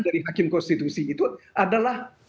dari hakim konstitusi itu adalah